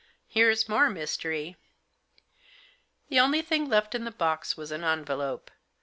Here's more mystery," The only thing left in the box was an envelope.